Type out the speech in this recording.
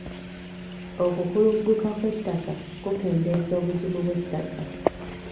Okukulugguka kw'ettaka kukeendeeza obugimu bw'ettaka.